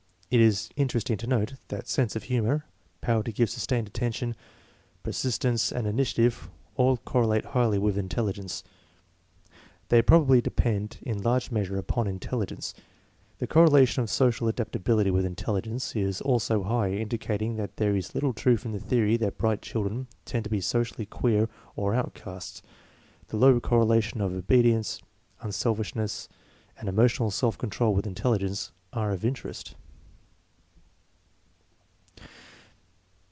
It is interesting to note that sense of humor, power to give sustained attention, persistence, and initiative all correlate highly with intelligence. They probably depend in large measure upon intelligence. The cor relation of social adaptability with intelligence is also high, indicating that there is little truth in the theory that bright children tend to be socially queer or out casts. The low correlation of obedience, unselfish ness, and emotional self control with intelligence are of interest.